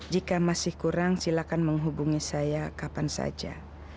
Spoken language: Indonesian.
jika masih kurang silakan menghubungi saya kapan saja